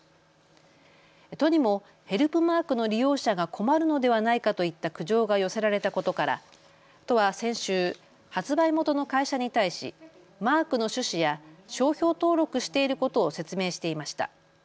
都にもヘルプマークの利用者が困るのではないかといった苦情が寄せられたことから都は先週、発売元の会社に対しマークの趣旨や商標登録していることを説明していました。